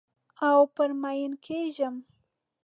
او پر میینه کیږم